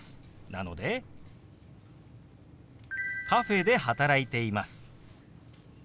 なので「カフェで働いています」。